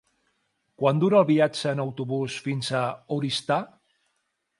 Quant dura el viatge en autobús fins a Oristà?